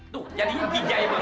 tuh jadinya jijaya begitu